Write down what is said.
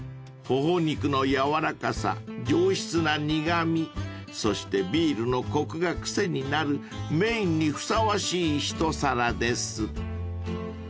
［頬肉の軟らかさ上質な苦味そしてビールのコクがクセになるメインにふさわしい一皿です］